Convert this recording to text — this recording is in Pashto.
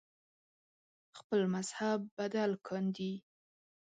خپل مذهب بدل کاندي